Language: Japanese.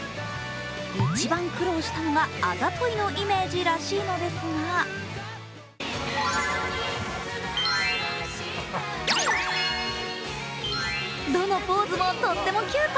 一番苦労したのはあざといのイメージらしいのですがどのポーズもとってもキュート。